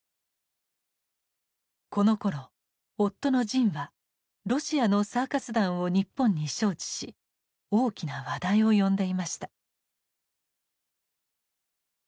このころ夫の神はロシアのサーカス団を日本に招致し大きな話題を呼んでいました。